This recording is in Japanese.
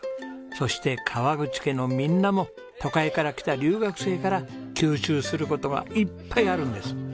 そして川口家のみんなも都会から来た留学生から吸収する事がいっぱいあるんです。